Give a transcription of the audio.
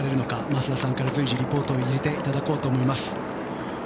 増田さんから随時リポートを入れていただこうと思います。